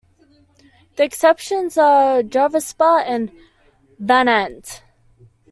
The exceptions are Drvaspa and Vanant.